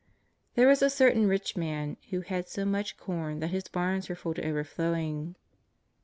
There was a certain rich man who had so much corn that his barns were full to overflowing.